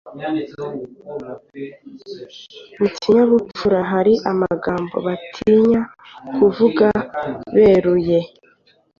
mu kinyabupfura hari amagambo batinya kuvuga beruye